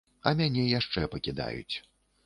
А мяне яшчэ пакідаюць.